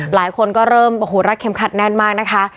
หลายคนก็เริ่มโอ้โหรัดเข็มขัดแน่นมากนะคะ